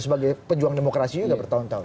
sebagai pejuang demokrasi juga bertahun tahun